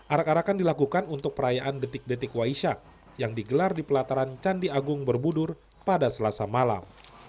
arak arakan dilakukan untuk perayaan detik detik waisyah yang digelar di pelataran candi agung berbudur pada selasa malam